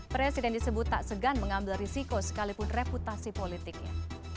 presiden disebut tak segan mengambil risiko sekalipun reputasi politiknya